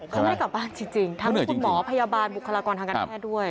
เขาไม่ได้กลับบ้านจริงทั้งคุณหมอพยาบาลบุคลากรทางการแพทย์ด้วย